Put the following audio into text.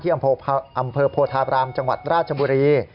อำเภอโพธาบรามจังหวัดราชบุรี